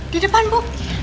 di depan bu